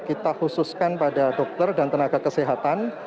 kita bisa mengakses informasi informasi yang kita berikan pada dokter dan tenaga kesehatan